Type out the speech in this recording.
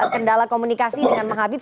kendala komunikasi dengan pak habib